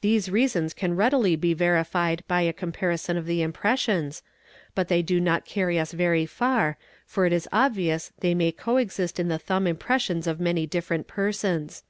'These reasons can readily be verified by a comparison of th impressions, but they do not carry us very far, for it is obvious they ma co exist in the thumb impressions of many different persons.